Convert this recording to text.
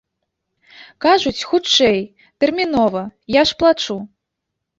Кажуць, хутчэй, тэрмінова, я ж плачу.